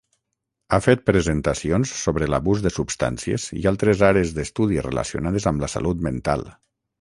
Ha fet presentacions sobre l'abús de substàncies i altres àrees d'estudi relacionades amb la salut mental.